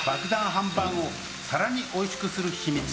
ハンバーグを更においしくする秘密。